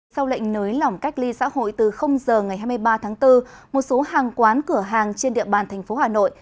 sau lệnh nới lỏng cách ly xã hội từ giờ ngày hai mươi ba tháng bốn một số hàng quán cửa hàng trên địa bàn thành phố hà nội